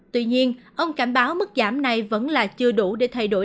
tuy nhiên ông cảnh báo mức giảm này vẫn là chưa đủ để thay đổi